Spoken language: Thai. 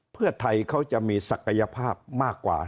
เพื่อไทยเขาจะมีศักยภาพมากกว่า